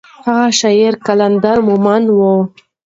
هغه شاعر قلندر مومند و.